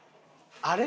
「あれ」？